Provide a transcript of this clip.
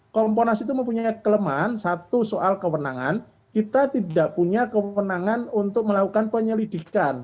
komponas itu mempunyai kelemahan satu soal kewenangan kita tidak punya kewenangan untuk melakukan penyelidikan